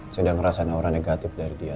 saya udah ngerasain orang negatif dari dia